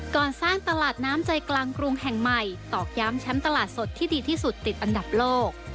สร้างตลาดน้ำใจกลางกรุงแห่งใหม่ตอกย้ำแชมป์ตลาดสดที่ดีที่สุดติดอันดับโลก